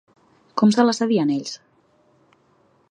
Com se la sabien, ells?